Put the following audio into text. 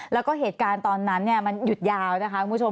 แล้วก็เหตุการณ์ตอนนั้นมันหยุดยาวนะคะคุณผู้ชม